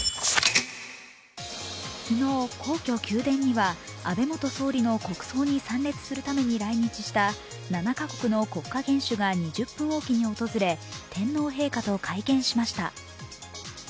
昨日、皇居・宮殿には安倍元総理の国葬に参列するために来日した７か国の国家元首が２０分おきに訪れ天皇陛下と会見しました。